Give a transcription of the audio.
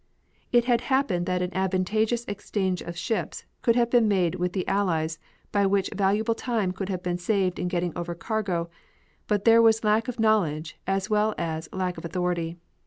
It had happened that an advantageous exchange of ships could have been made with the Allies by which valuable time could have been saved in getting over cargo, but there was lack of knowledge as well as lack of authority.